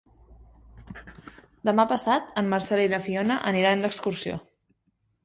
Demà passat en Marcel i na Fiona aniran d'excursió.